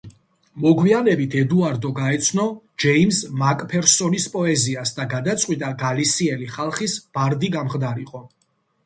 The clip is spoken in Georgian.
მოგვიანებით ედუარდო გაეცნო ჯეიმზ მაკფერსონის პოეზიას და გადაწყვიტა გალისიელი ხალხის ბარდი გამხდარიყო.